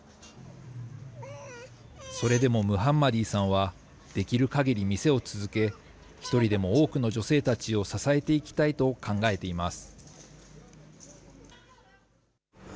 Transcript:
それでもムハンマディさんは、できるかぎり店を続け、一人でも多くの女性たちを支えていきたいと考えています。